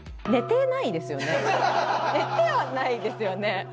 寝てはないですよね。